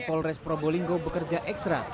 polres probolinggo bekerja ekstra